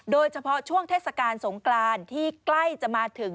โดยเฉพาะช่วงเทศกาลสงกรานที่ใกล้จะมาถึง